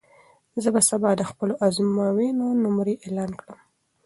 زه به سبا د خپلو ازموینو نمرې اعلان کړم.